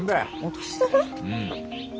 うん。